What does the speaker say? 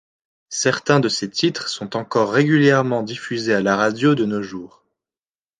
Certains de ces titres sont encore régulièrement diffusés à la radio de nos jours.